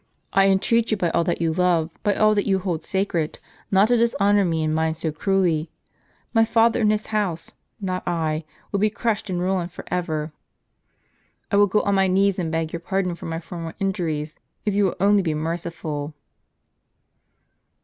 " I entreat you by all that you love, by all that you hold sacred, not to dishonor me and mine so cruelly. My father and his house, not I, would be crushed and ruined for ever. I will go on my knees and beg your pardon for my former injuries, if you will only be merciful."